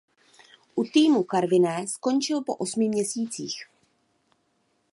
U týmu Karviné skončil po osmi měsících.